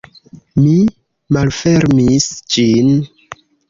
Mi malfermis ĝin.